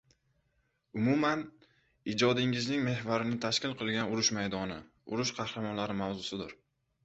Umuman, ijodingizning mehvarini tashkil qilgan urush maydoni, urush qahramonlari mavzusidir